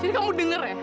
jadi kamu dengar ya